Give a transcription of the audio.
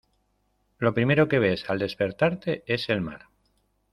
lo primero que ves al despertarte es el mar.